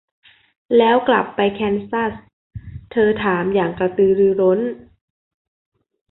แล้วกลับไปแคนซัส ? เธอถามอย่างกระตือรือร้น